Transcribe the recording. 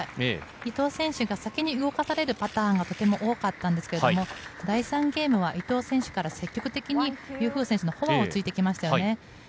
第２ゲームを取られた時は伊藤選手が先に動かされるパターンが多かったんですが、第３ゲームは伊藤選手から積極的にユー・フー選手のフォアをついてきましたよね。